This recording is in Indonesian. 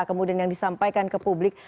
kemudian yang disampaikan ke publik